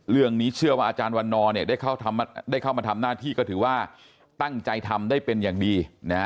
เรื่องนี้เชื่อว่าอาจารย์วันนอร์ได้เข้ามาทำหน้าที่ก็ถือว่าตั้งใจทำได้เป็นอย่างดี